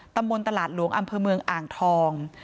ตำบลตลาดหลวงอำเภอเมืองอ่างทอง